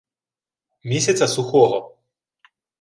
Місяця сухого